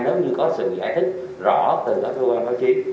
nếu như có sự giải thích rõ từ các cơ quan pháo chiến